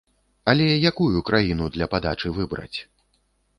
Але якую краіну для падачы выбраць?